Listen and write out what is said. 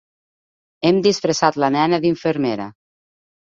Hem disfressat la nena d'infermera.